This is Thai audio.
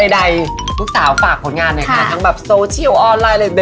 ใดลูกสาวฝากผลงานทั้งแบบโซเชียลออนไลน์